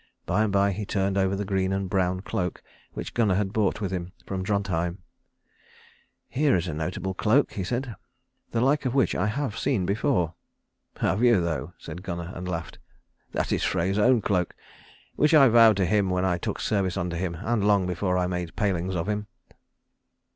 By and by he turned over the green and brown cloak which Gunnar had brought with him from Drontheim. "Here is a notable cloak," he said, "the like of which I have seen before." "Have you though?" said Gunnar, and laughed. "That is Frey's own cloak, which I vowed to him when I took service under him, and long before I made palings of him."